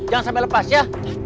jangan sampai lepas ya